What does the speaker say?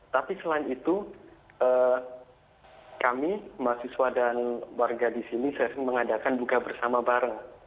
tapi selain itu kami mahasiswa dan warga di sini mengadakan buka bersama bareng